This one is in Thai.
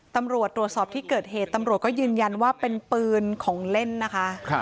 ตำรวจตรวจสอบที่เกิดเหตุตำรวจก็ยืนยันว่าเป็นปืนของเล่นนะคะ